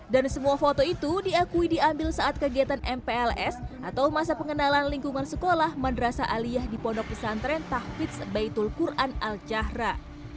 dan semua foto itu diakui diambil saat kegiatan mpls atau masa pengenalan lingkungan sekolah madrasa aliyah di pondok pesantren tahfiz baitul quran al jahrah